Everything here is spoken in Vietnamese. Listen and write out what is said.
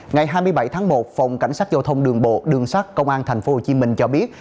ngày hai mươi bảy tháng một phòng cảnh sát giao thông đường bộ đường sát công an tp hcm cho biết